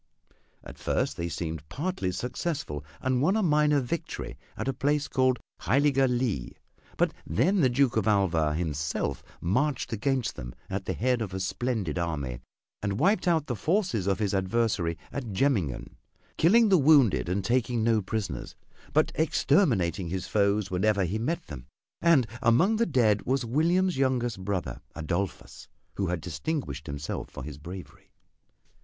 At first they seemed partly successful and won a minor victory at a place called Heiliger Lee, but then the Duke of Alva himself marched against them at the head of a splendid army, and wiped out the forces of his adversary at Jemmingen, killing the wounded and taking no prisoners, but exterminating his foes wherever he met them. And among the dead was William's youngest brother, Adolphus, who had distinguished himself for his bravery.